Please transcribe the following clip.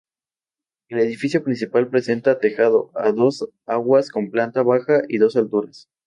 El edificio principal presenta tejado a dos aguas, con planta baja y dos alturas.